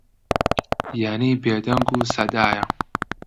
یانی بێدەنگ و سەدایە